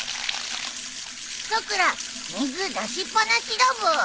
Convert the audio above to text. さくら水出しっぱなしだブー。